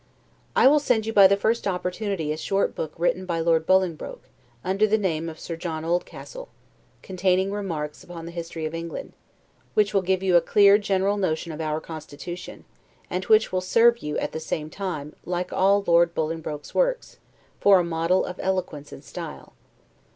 I will send you by the first opportunity a short book written by Lord Bolingbroke, under the name of Sir John Oldcastle, containing remarks upon the history of England; which will give you a clear general notion of our constitution, and which will serve you, at the same time, like all Lord Bolingbroke's works, for a model of eloquence and style.